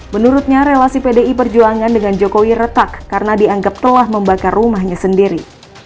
menurutnya relasi pdi perjuangan dengan jokowi retak karena dianggap telah membakar rumahnya sendiri